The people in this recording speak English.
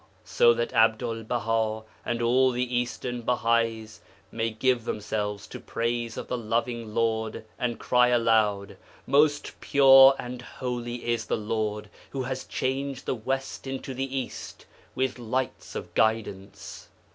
'So that Abdul Baha and all the Eastern Bahais may give themselves to praise of the Loving Lord, and cry aloud, "Most Pure and Holy is the Lord, Who has changed the West into the East with lights of Guidance!"